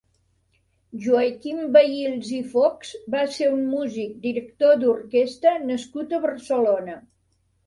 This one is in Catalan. Joaquim Vehils i Fochs va ser un músic, director d'orquesta nascut a Barcelona.